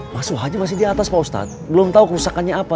mas suha masih di atas pak ustadz belum tau kerusakannya apa